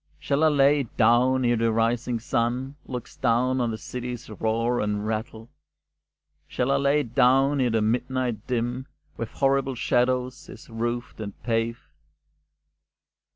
Shall I lay it down e'er the rising sun Looks down on the city's roar and rattle? Shall I lay it down e'er the midnight dim With horrible shadows is roofed and paved?